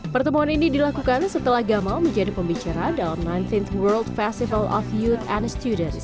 pertemuan ini dilakukan setelah gamal menjadi pembicara dalam sembilan belas world festival of youth and studenes